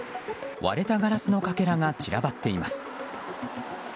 割れたガラスのかけらが散らばっています。